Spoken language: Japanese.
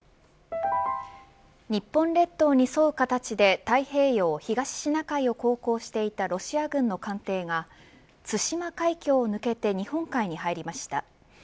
ＪＴ日本列島に沿う形で太平洋、東シナ海を航行していたロシア軍の艦艇が対馬海峡を抜けて日本海に入りました。